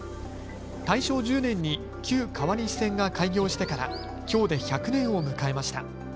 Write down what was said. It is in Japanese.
大正１０年に旧川西線が開業してからきょうで１００年を迎えました。